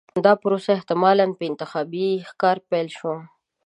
دا پروسه احتمالاً په انتخابي ښکار پیل شوه.